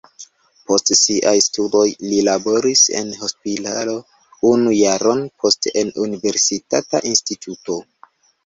Post siaj studoj li laboris en hospitalo unu jaron, poste en universitata instituto.